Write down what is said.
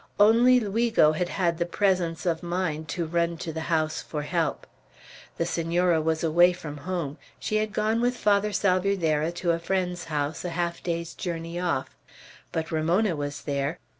Only Luigo had had the presence of mind to run to the house for help. The Senora was away from home. She had gone with Father Salvierderra to a friend's house, a half day's journey off. But Ramona was there.